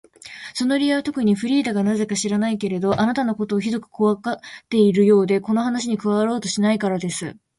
その理由はとくに、フリーダがなぜか知らないけれど、あなたのことをひどくこわがっているようで、この話に加わろうとしないからです。